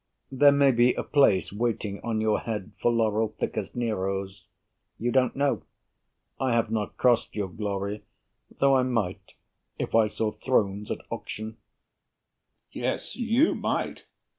There may be a place waiting on your head For laurel thick as Nero's. You don't know. I have not crossed your glory, though I might If I saw thrones at auction. HAMILTON Yes, you might.